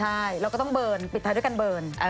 ใช่เราก็ต้องเปิดท้ายด้วยการเปิด